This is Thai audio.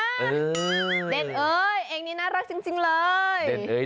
เด่นเอ้ยเองนี้น่ารักจริงเลย